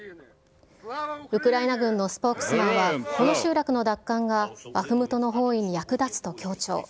ウクライナ軍のスポークスマンは、この集落の奪還がバフムトの包囲に役立つと強調。